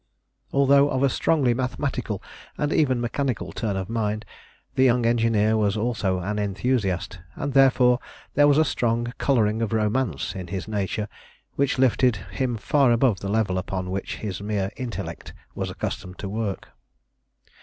Although of a strongly mathematical and even mechanical turn of mind, the young engineer was also an enthusiast, and therefore there was a strong colouring of romance in his nature which lifted him far above the level upon which his mere intellect was accustomed to work.